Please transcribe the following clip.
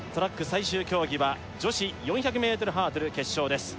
最終競技は女子４００ｍハードル決勝です